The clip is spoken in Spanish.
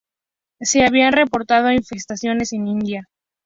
Se habían reportado infestaciones en India.